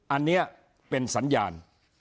อันนี้เป็นสัญญาณ